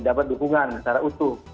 dapat dukungan secara utuh